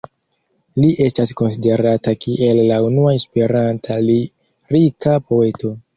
Li estas konsiderata kiel la unua Esperanta lirika poeto.